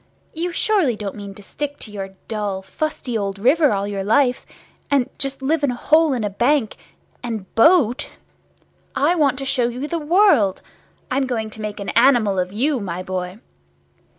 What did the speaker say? You surely don't mean to stick to your dull fusty old river all your life, and just live in a hole in a bank, and boat? I want to show you the world! I'm going to make an animal of you, my boy!"